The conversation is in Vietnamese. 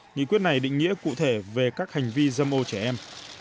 nghị quyết này định nghĩa cụ thể về các hành vi dâm ô trẻ em